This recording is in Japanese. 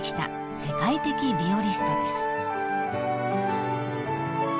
世界的ビオリストです］